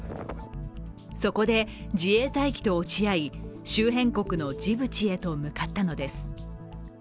そこで自衛隊機と落ち合い、周辺国のジブチへと向かったのです。